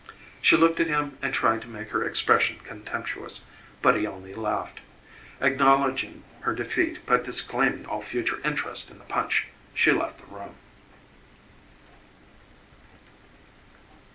She looked at him and tried to make her expression contemptuous, but he only laughed. Acknowledging her defeat but disclaiming all future interest in the punch, she left the room.